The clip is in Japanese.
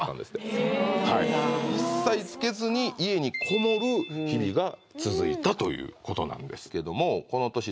一切つけずに家に籠もる日々が続いたということなんですけどもこの年